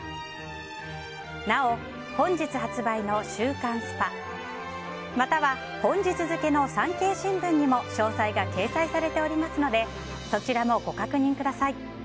なお、本日発売の「週刊ＳＰＡ！」または、本日付の産経新聞にも詳細が掲載されておりますのでそちらもご確認ください。